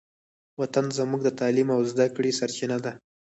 وطن زموږ د تعلیم او زدهکړې سرچینه ده.